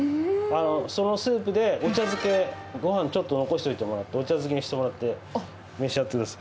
そのスープでお茶漬け、ごはんちょっと残しておいてもらって、お茶漬けにしてもらって召し上がってください。